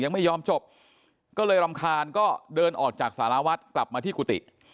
ไม่ยอมจบก็เลยรำคาญก็เดินออกจากสารวัฒน์กลับมาที่กุฏิ